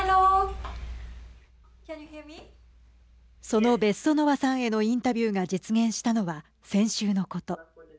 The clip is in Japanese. その、ベッソノワさんへのインタビューが実現したのは先週のこと。